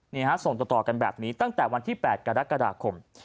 ส่งต่อกันแบบนี้ตั้งแต่วันที่๘กรกฎาคม